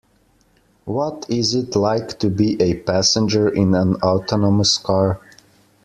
What is it like to be a passenger in an autonomous car?